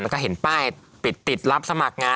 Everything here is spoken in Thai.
แล้วก็เห็นป้ายปิดติดรับสมัครงาน